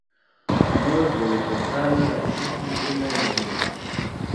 موږ د یوې سوکاله راتلونکې هیله لرو.